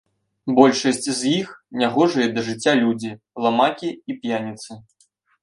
Большасць з іх нягожыя да жыцця людзі, ламакі і п'яніцы.